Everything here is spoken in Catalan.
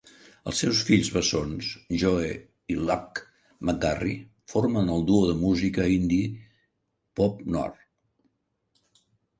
Els seus fills bessons, Joe i Luke McGarry, formen el duo de música indie Pop Noir.